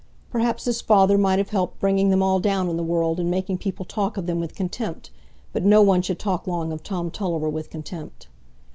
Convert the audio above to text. Perhaps his father might have helped bringing them all down in the world, and making people talk of them with contempt, but no one should talk long of Tom Tulliver with contempt.